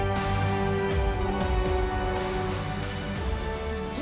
aku mau pergi